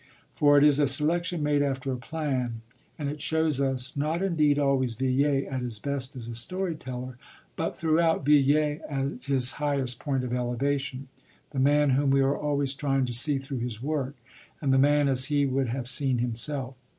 For it is a selection made after a plan, and it shows us, not indeed always Villiers at his best as a story teller, but, throughout, Villiers at his highest point of elevation; the man whom we are always trying to see through his work, and the man as he would have seen himself.